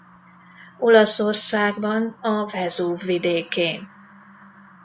Olaszországban a Vezúv vidékén.